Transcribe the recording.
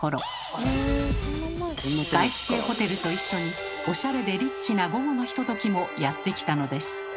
外資系ホテルと一緒におしゃれでリッチな午後のひとときもやって来たのです。